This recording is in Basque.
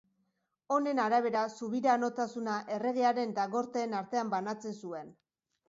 Honen arabera subiranotasuna erregearen eta gorteen artean banatzen zuen.